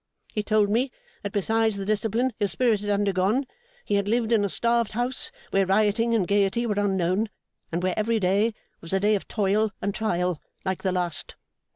He told me, that besides the discipline his spirit had undergone, he had lived in a starved house, where rioting and gaiety were unknown, and where every day was a day of toil and trial like the last.